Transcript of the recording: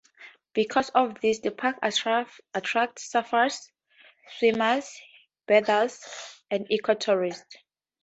Because of this, the park attracts surfers, swimmers, birders and ecotourists.